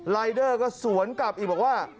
รายเดอร์ก็สวนกลับอีกบอกว่า